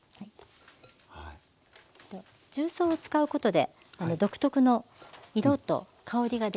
重曹を使うことで独特の色と香りが出ますので。